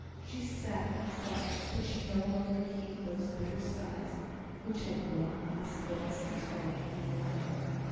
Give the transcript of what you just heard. She sat and thought, but she no longer heaved those bitter sighs which had wrung Miss Benson's heart in the morning.